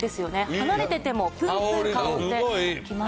離れててもぷんぷん香ってきます。